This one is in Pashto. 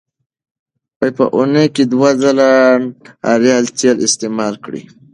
په اونۍ کې دوه ځله ناریال تېل استعمال کړئ.